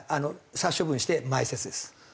殺処分して埋設です。